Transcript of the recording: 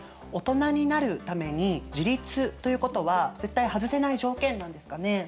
オトナになるために「自立」ということは絶対外せない条件なんですかね。